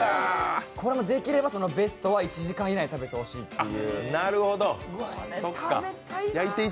これもできればベストは１時間以内に食べてほしいっていう。